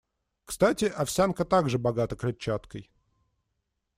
Кстати, овсянка также богата клетчаткой.